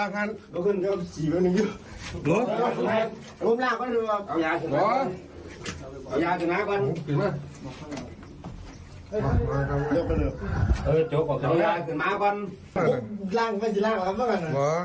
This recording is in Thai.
สิตล่ะ